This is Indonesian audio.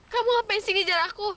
kamu apa yang sering dujar aku